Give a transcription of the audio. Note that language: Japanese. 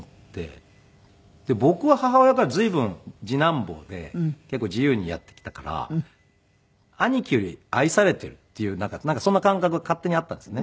で僕は母親から随分次男坊で結構自由にやってきたから兄貴より愛されてるっていうなんかそんな感覚が勝手にあったんですね。